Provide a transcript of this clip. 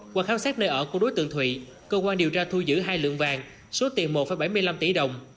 qua khám xét nơi ở của đối tượng thụy cơ quan điều tra thu giữ hai lượng vàng số tiền một bảy mươi năm tỷ đồng